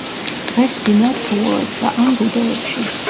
დღე სძინავთ ფუღუროებსა ან ბუდეებში.